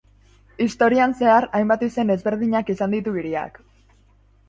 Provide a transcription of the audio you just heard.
Historian zehar, hainbat izen ezberdinak izan ditu hiriak.